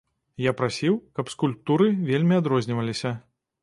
Я прасіў, каб скульптуры вельмі адрозніваліся.